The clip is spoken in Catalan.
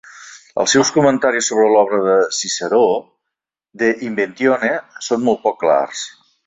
Els seus comentaris sobre l'obra de Ciceró "De Inventione" són molt poc clars.